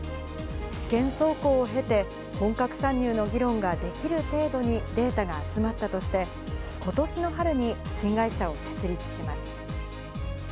試験走行を経て、本格参入の議論ができる程度にデータが集まったとして、ことしの春に新会社を設立します。